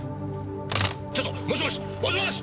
ちょっともしもしもしもし！